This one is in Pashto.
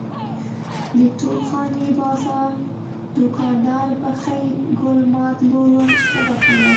د توپ خانې بازار دوکاندار بخۍ ګل ماد لور ور وبخښله.